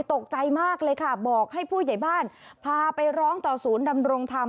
ตกใจมากเลยค่ะบอกให้ผู้ใหญ่บ้านพาไปร้องต่อศูนย์ดำรงธรรม